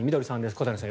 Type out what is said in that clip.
小谷さん